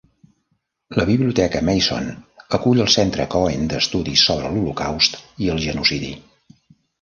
La Biblioteca Mason acull el Centre Cohen d'estudis sobre l'holocaust i el genocidi.